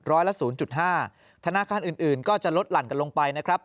ร้อยละ๐๕ธนาคารอื่นก็จะลดหลั่นกันลงไปนะครับ